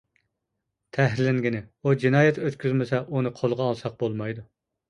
تەھرىرلەنگىنى: ئۇ جىنايەت ئۆتكۈزمىسە، ئۇنى قولغا ئالساق بولمايدۇ.